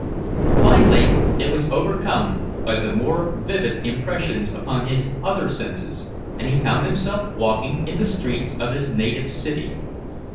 Finally, it was overcome by the more vivid impressions upon his other senses, and he found himself walking in the streets of his native city.